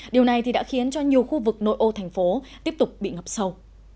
điều này đã khiến cho nhiều khu vực nội ô thành phố tiếp tục bị ngập sâu